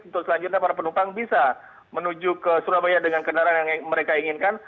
untuk selanjutnya para penumpang bisa menuju ke surabaya dengan kendaraan yang mereka inginkan